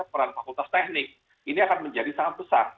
peran fakultas teknik ini akan menjadi sangat besar